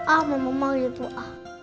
ah mama mau gitu ah